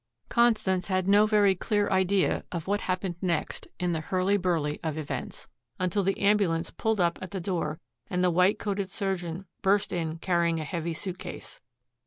Constance had no very clear idea of what happened next in the hurly burly of events, until the ambulance pulled up at the door and the white coated surgeon burst in carrying a heavy suitcase.